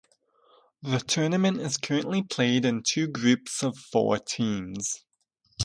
The tournament is currently played in two groups of four teams.